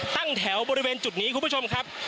ตั้งแถวบริเวณจุดนี้คุณผู้ชมครับ